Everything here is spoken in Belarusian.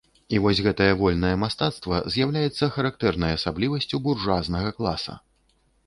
І вось гэтае вольнае мастацтва з'яўляецца характэрнай асаблівасцю буржуазнага класа.